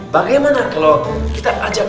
bagaimana kalau kita ajak